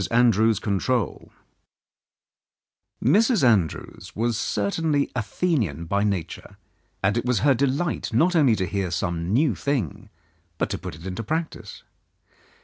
ANDREWS'S CONTROL Mrs. Andrews was certainly Athenian by nature, and it was her delight not only to hear some new thing, but to put it into practice.